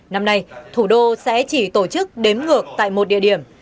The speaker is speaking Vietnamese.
năm nay thủ đô sẽ chỉ tổ chức đếm ngược tại một địa điểm